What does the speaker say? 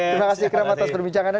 terima kasih kerabatas perbincangan anda